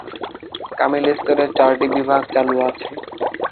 কামিল স্তরে চারটি বিভাগ চালু আছে।